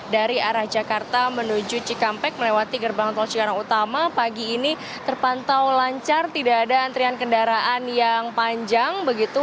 dari arah jakarta menuju cikampek melewati gerbang tol cikarang utama pagi ini terpantau lancar tidak ada antrian kendaraan yang panjang begitu